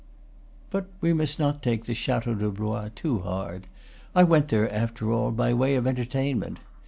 But we must not take the Chateau de Blois too hard: I went there, after all, by way of entertainment.